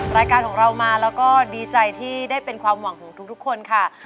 รายการของเรามาแล้วก็ดีใจที่ได้เป็นความหวังของทุกคนค่ะ